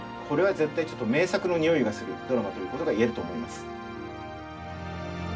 これは絶対ちょっと名作のにおいがするドラマということが言えると思います。